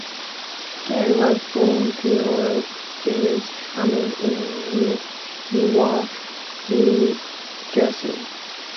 Schary was born to a Jewish family, in Newark, New Jersey.